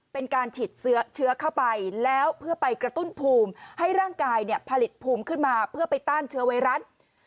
เป็นการฉีดเชื้อเข้าไปแล้วเพื่อไปกระตุ้นภูมิให้ร่างกายผลิตภูมิขึ้นมาเพื่อไปต้านเชื้อไวรัส